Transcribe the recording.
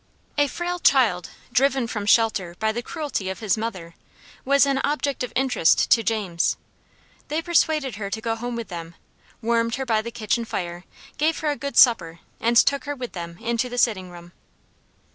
A frail child, driven from shelter by the cruelty of his mother, was an object of interest to James. They persuaded her to go home with them, warmed her by the kitchen fire, gave her a good supper, and took her with them into the sitting room.